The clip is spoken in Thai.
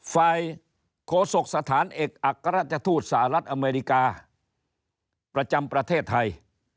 โคศกสถานเอกอัครราชทูตสหรัฐอเมริกาประจำประเทศไทย